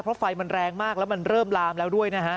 เพราะไฟมันแรงมากแล้วมันเริ่มลามแล้วด้วยนะฮะ